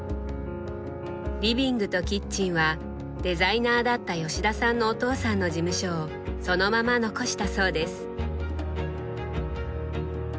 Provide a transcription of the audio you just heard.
リビングとキッチンはデザイナーだった吉田さんのお父さんの事務所をそのまま残したそうです。